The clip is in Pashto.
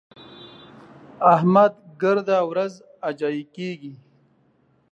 احمد ګرده ورځ اجايي کېږي.